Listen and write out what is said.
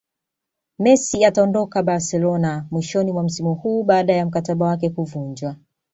Messi ataondoka Barcelona mwishoni mwa msimu huu baada ya mkataba wake kuvunjwa